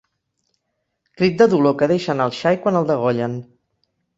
Crit de dolor que deixa anar el xai quan el degollen.